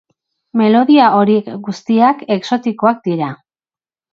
Melodia horiek guztiak exotikoak dira.